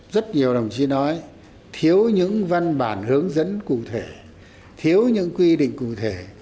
rất nhiều đồng chí nói thiếu những văn bản hướng dẫn cụ thể thiếu những quy định cụ thể